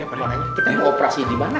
pertanyaannya kita mau operasi di mana